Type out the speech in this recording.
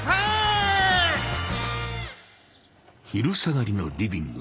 昼下がりのリビング。